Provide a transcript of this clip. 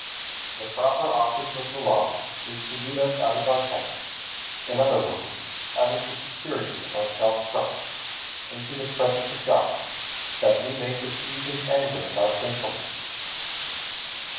The proper office of the Law is to lead us out of our tents, in other words, out of the security of our self trust, into the presence of God, that we may perceive His anger at our sinfulness.